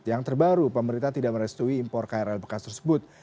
yang terbaru pemerintah tidak merestui impor krl bekas tersebut